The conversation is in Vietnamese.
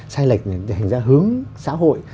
sai lệch để hướng xã hội